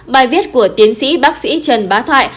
bài viết của tiến sĩ bác sĩ trần bá thoại